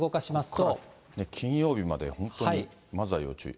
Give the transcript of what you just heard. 金曜日まで、本当にまずは要注意。